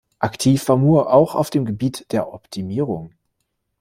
Aktiv war Moore auch auf dem Gebiet der Optimierung.